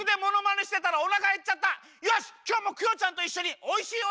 よしきょうもクヨちゃんといっしょにおいしいおやつつくっちゃおう！